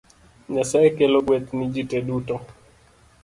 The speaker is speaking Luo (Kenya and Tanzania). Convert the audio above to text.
Nyasaye kelo gweth ne ji duto